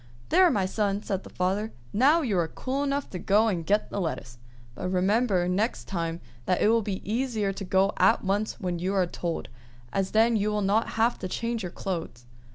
"There, my son!" said the father. "Now you are cool enough to go and get the lettuce; but remember next time that it will be easier to go at once when you are told, as then you will not have to change your clothes."